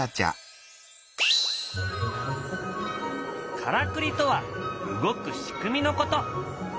からくりとは動く仕組みのこと。